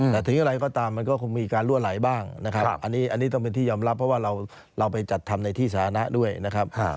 แต่ถึงอะไรก็ตามมันก็คงมีการรั่วไหลบ้างนะครับอันนี้ต้องเป็นที่ยอมรับเพราะว่าเราไปจัดทำในที่สาธารณะด้วยนะครับ